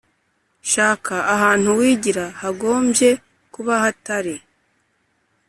Shaka ahantu wigira Hagombye kuba hatari